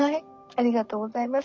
ありがとうございます。